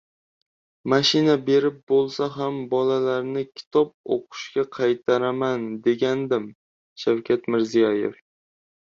“Mashina berib bo‘lsa ham bolalarni kitob o‘qishga qaytaraman degandim...” — Shavkat Mirziyoyev